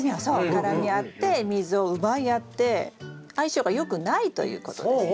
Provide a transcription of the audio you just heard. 絡み合って水を奪い合って相性がよくないということですね。